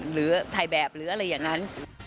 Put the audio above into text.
หรือถ่ายแบบหรืออะไรอย่างนั้น